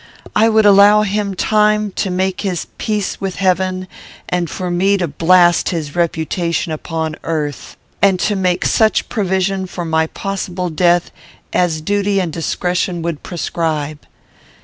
I would allow time for him to make his peace with Heaven, and for me to blast his reputation upon earth, and to make such provision for my possible death as duty and discretion would prescribe.